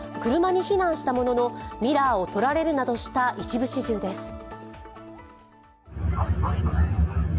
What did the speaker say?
車に避難したもののミラーを取られるなどした一部始終です。